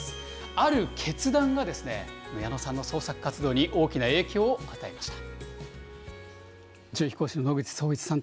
ある決断が、矢野さんの創作活動に大きな影響を与えました。